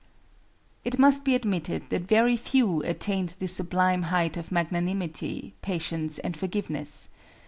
It must be admitted that very few attained this sublime height of magnanimity, patience and forgiveness.